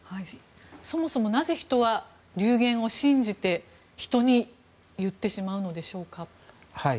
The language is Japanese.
そもそもなぜ人は流言を信じて人に言ってしまうのでしょうか。